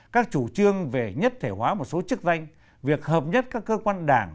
các chủ trương về nhất thể hóa một số chức danh việc hợp nhất các cơ quan đảng